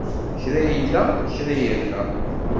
Kra illa, kra irna.